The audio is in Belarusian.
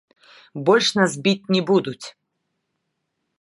Больш нас біць не будуць!